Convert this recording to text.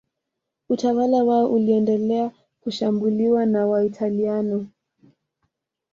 utawala wao uliendelea kushambuliwa na Waitaliano